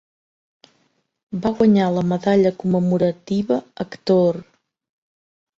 Va guanyar la Medalla Commemorativa Hector.